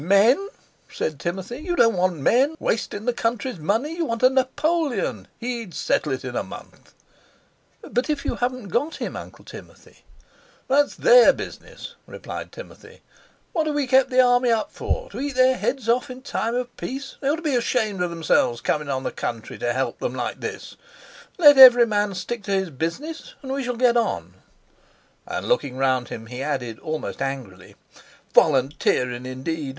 "Men!" said Timothy; "you don't want men—wastin' the country's money. You want a Napoleon, he'd settle it in a month." "But if you haven't got him, Uncle Timothy?" "That's their business," replied Timothy. "What have we kept the Army up for—to eat their heads off in time of peace! They ought to be ashamed of themselves, comin' on the country to help them like this! Let every man stick to his business, and we shall get on." And looking round him, he added almost angrily: "Volunteerin', indeed!